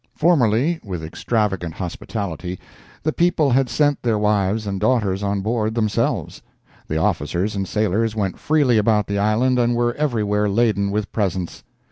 Formerly, with extravagant hospitality, the people had sent their wives and daughters on board themselves. The officers and sailors went freely about the island and were everywhere laden with presents.